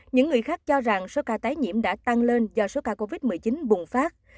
những người khác cho rằng số ca tái nhiễm đã tăng lên do số ca covid một mươi chín bùng phát